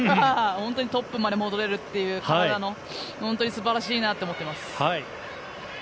本当にトップまで戻れるという本当に素晴らしいなと思います。